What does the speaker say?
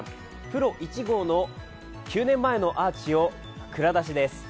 プロ１号の９年前のアーチを蔵出しです。